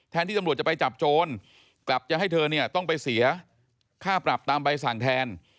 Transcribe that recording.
ที่ตำรวจจะไปจับโจรกลับจะให้เธอเนี่ยต้องไปเสียค่าปรับตามใบสั่งแทน